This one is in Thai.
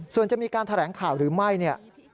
ส่วนจะมีการแถลงข่าวหรือไม่เนี่ย